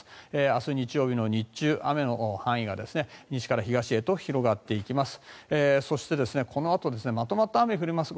明日日曜日の日中雨の範囲が西から東へと広がっていきます。